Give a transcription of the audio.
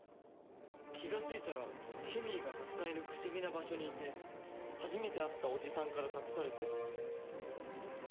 気がついたらケミーがたくさんいる不思議な場所にいて初めて会ったおじさんから託されて。